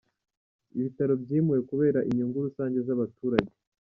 Ibitaro byimuwe kubera inyungu rusange z’abaturage.